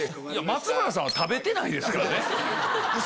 松村さんは食べてないですからね。